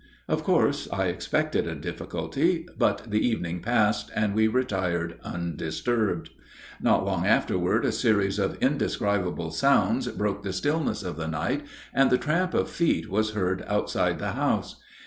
Of course I expected a difficulty; but the evening passed, and we retired undisturbed. Not long afterward a series of indescribable sounds broke the stillness of the night, and the tramp of feet was heard outside the house.